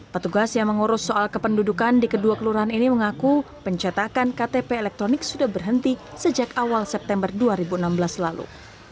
petugas yang mengurus soal kependudukan di kedua kelurahan ini mengaku pencetakan ktp elektronik sudah berhenti sejak awal september dua ribu enam belas lalu